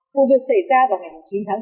vụ việc xảy ra vào ngày chín tháng bốn